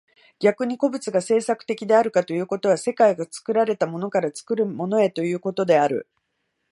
逆に個物が製作的であるということは、世界が作られたものから作るものへということである。